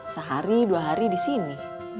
sehari dua hari di sini